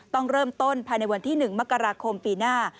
ต้องเริ่มต้นภายในวันที่๑มกราคมปีหน้า